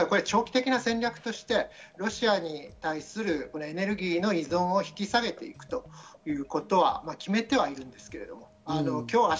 長期的な戦略としてロシアに対するエネルギーの依存を引き下げていくということは決めてはいるんですが、